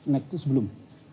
naik itu sebelum